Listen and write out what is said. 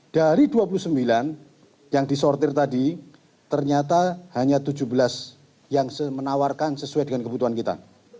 dari dua puluh sembilan yang disortir tadi ternyata hanya tujuh belas yang menawarkan sesuai dengan kebutuhan kita